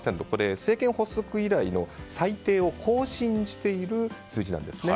これ、政権発足以来の最低を更新している数字なんですね。